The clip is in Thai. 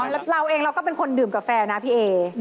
เราเองเราก็เป็นคนดื่มกาแฟนะพี่เอ